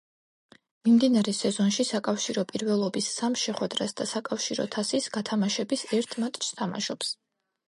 მიმდინარე სეზონში საკავშირო პირველობის სამ შეხვედრას და საკავშირო თასის გათამაშების ერთ მატჩს თამაშობს.